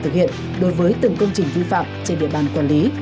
thực hiện đối với từng công trình vi phạm trên địa bàn quản lý